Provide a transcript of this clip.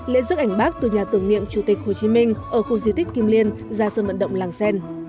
lễ dức ảnh bác từ nhà tưởng nghiệm chủ tịch hồ chí minh ở khu di tích kim liên ra sân vận động làng sen